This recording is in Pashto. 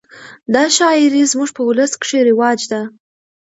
دا شاعري زموږ په اولس کښي رواج ده.